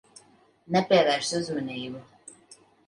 Nepievērs uzmanību.